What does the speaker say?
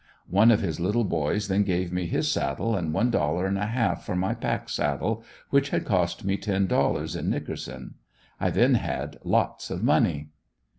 One of his little boys then gave me his saddle and one dollar and a half for my pack saddle, which had cost me ten dollars in Nickerson. I then had lots of money.